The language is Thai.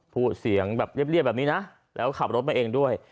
พูดเสียงแบบเรียบแบบนี้นะแล้วขับรถมาเองด้วย